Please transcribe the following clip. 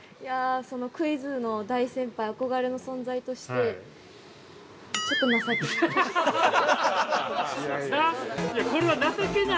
◆クイズの大先輩憧れの存在としてちょっと情けない。